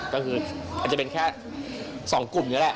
ก็คืออาจจะเป็นแค่๒กลุ่มนี่แหละ